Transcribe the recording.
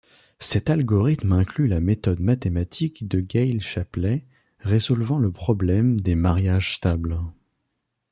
Cet algorithme inclut la méthode mathématique de Gale-Shapley résolvant le problème des mariages stables.